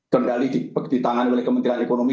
kendali di tangan oleh kementerian ekonomi